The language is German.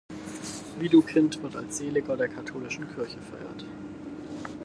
Widukind wird als Seliger der Katholischen Kirche verehrt.